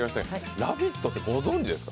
「ラヴィット！」ってご存じですか？